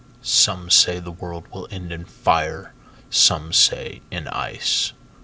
SOME say the world will end in fire, Some say in ice.